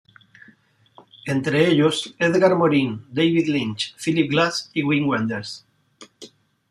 Entre ellos, Edgar Morin, David Lynch, Philip Glass y Wim Wenders.